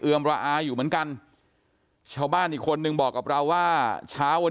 ระอาอยู่เหมือนกันชาวบ้านอีกคนนึงบอกกับเราว่าเช้าวัน